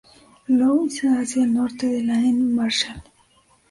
Louis hacia el norte en la en Marshall.